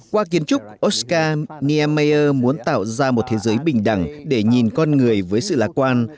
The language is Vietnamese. qua kiến trúc oscar niemeyer muốn tạo ra một thế giới bình đẳng để nhìn con người với sự lạc quan